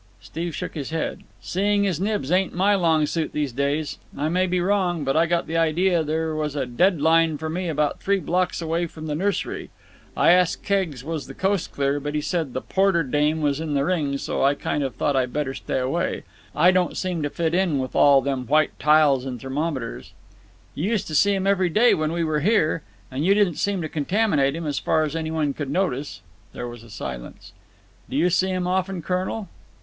Steve shook his head. "Seeing his nibs ain't my long suit these days. I may be wrong, but I got the idea there was a dead line for me about three blocks away from the nursery. I asked Keggs was the coast clear, but he said the Porter dame was in the ring, so I kind of thought I'd better away. I don't seem to fit in with all them white tiles and thermometers." "You used to see him every day when we were here. And you didn't seem to contaminate him, as far as any one could notice." There was a silence. "Do you see him often, colonel?"